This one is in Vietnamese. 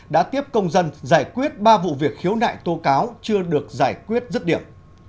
đã tiếp công dân giải quyết ba vụ việc khiếu nại tố cáo chưa được giải quyết rứt điểm